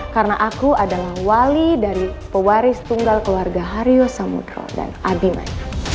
karena aku adalah wali dari pewaris tunggal keluarga hario samudera dan adi may